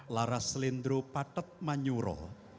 lara selindro patet manyuro